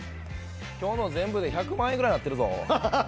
今日の全部で１００万円ぐらいになってるぞ。